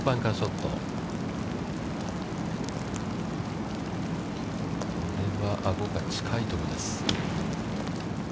これはアゴが近いところです。